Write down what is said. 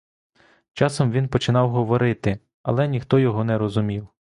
Часом він починав говорити, але ніхто його не розумів.